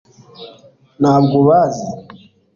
ntabwo ubazi